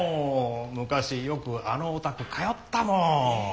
昔よくあのお宅通ったもん。